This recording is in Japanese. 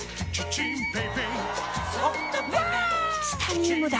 チタニウムだ！